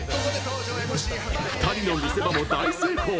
２人の見せ場も大成功。